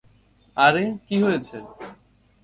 আরে, কী হয়েছে?